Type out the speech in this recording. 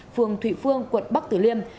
phường thụy phương quận bắc tử liêm